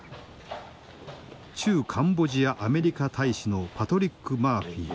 駐カンボジアアメリカ大使のパトリック・マーフィー。